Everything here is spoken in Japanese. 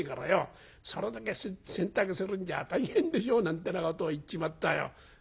『それだけ洗濯するんじゃ大変でしょう』なんてなことを言っちまったよ。